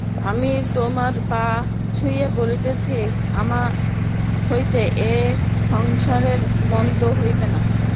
আমি তোমার পা ছুঁইয়া বলিতেছি আমা হইতে এ সংসারের মন্দ হইবে না।